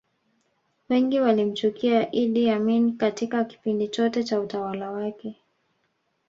wengi walimchukia idd amin Katika kipindi chote cha utawala wake